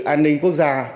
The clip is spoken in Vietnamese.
an ninh quốc gia